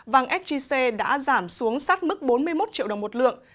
vàng sgc đã giảm xuống sát mức bốn mươi một triệu đồng một lượng